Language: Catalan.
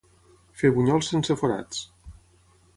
Fer bunyols sense forats.